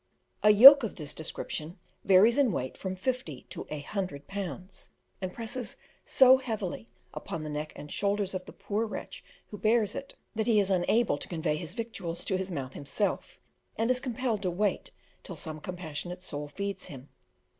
A yoke of this description varies in weight from fifty to a hundred pounds, and presses so heavily upon the neck and shoulders of the poor wretch who bears it, that he is unable to convey his victuals to his mouth himself, and is compelled to wait till some compassionate soul feeds him.